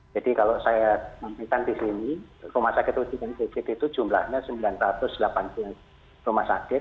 jadi kalau saya meminta di sini rumah sakit uji ujikan itu jumlahnya sembilan ratus delapan puluh rumah sakit